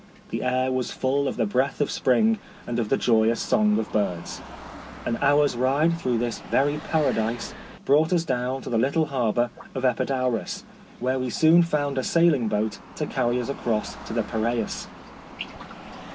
The air was full of the breath of spring, and of the joyous song of birds. An hour's ride through this very para dise brought us down to the little harbour of Epidaurus, where we soon found a sailing boat to carry us across to the Piraeus.